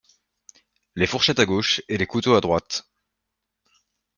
Les fourchettes à gauche, et les couteaux à droite.